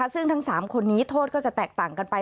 ซึ่งทั้ง๓คนนี้โทษก็จะแตกต่างกันไป